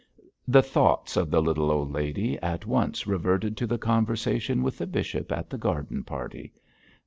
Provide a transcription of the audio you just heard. The thoughts of the little old lady at once reverted to the conversation with the bishop at the garden party.